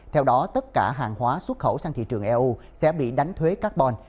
theo đó tất cả hàng hóa xuất khẩu sang thị trường eu sẽ bị đánh thuế carbon